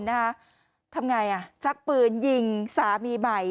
ทำอย่างไรชักปืนยิงสามีใหม่